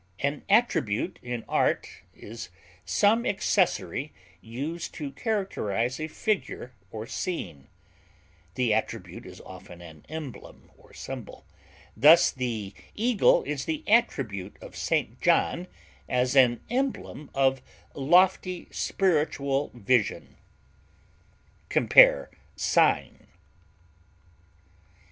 An attribute in art is some accessory used to characterize a figure or scene; the attribute is often an emblem or symbol; thus the eagle is the attribute of St. John as an emblem of lofty spiritual vision. Compare SIGN.